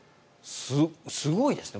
すごいですね。